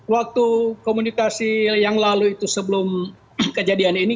waktu komunikasi yang lalu itu sebelum kejadian ini